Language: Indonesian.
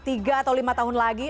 tiga atau lima tahun lagi